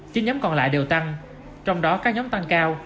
chín nhóm còn lại đều tăng trong đó các nhóm tăng cao